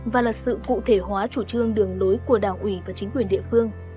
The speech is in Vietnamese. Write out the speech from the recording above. và là sự cụ thể hóa chủ trương đường lối của đảng ủy và chính quyền địa phương